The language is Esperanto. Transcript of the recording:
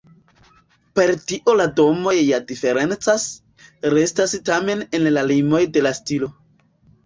Per tio la domoj ja diferencas, restas tamen en la limoj de la stilo.